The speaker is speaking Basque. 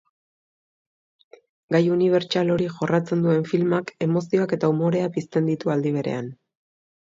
Gai unibertsal hori jorratzen duen filmak emozioak eta umorea pizten ditu aldi berean.